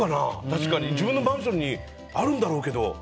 確かに自分のマンションにあるんだろうけど。